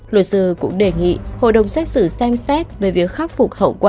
luật sư cũng đề nghị hội đồng xét xử xem xét về việc khắc phục hậu quả